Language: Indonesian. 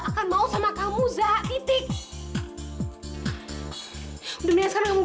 kamu lihat sendiri kan